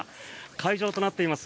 会場となっています